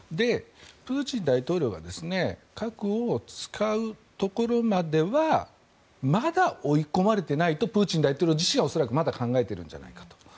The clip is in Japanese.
プーチン大統領は核を使うところまではまだ追い込まれていないとプーチン大統領自身はまだ考えているんじゃないかと。